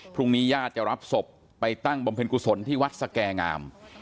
พรุ่งนี้ย่าจะรับศพไปตั้งบำเพ็ญกุศลที่วัดสแกงาม